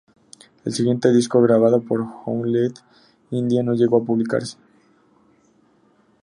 El siguiente disco, grabado por One Little Indian no llegó a publicarse.